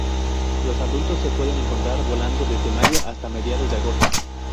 Los adultos se pueden encontrar volando desde mayo hasta mediados de agosto.